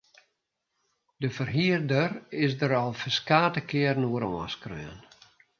De ferhierder is der al ferskate kearen oer oanskreaun.